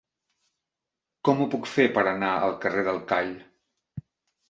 Com ho puc fer per anar al carrer del Call?